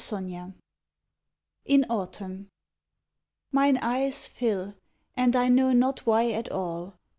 39 IN AUTUMN Mine eyes fill, and I know not why at all.